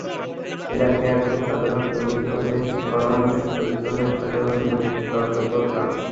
ইরাকে একজন সাধারণ শ্রমিক হিসেবে অমানুষিক পরিশ্রমের ফাঁকেও নিয়মিত চর্চা করতাম।